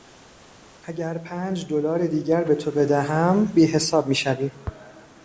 اگر پنج دلار دیگر به تو بدهم بیحساب میشویم.